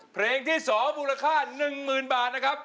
เพลงที่๒มูลค่า๑๐๐๐บาทนะครับ